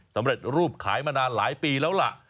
สำเร็จรูปขายมานานหลายปีแล้วล่ะ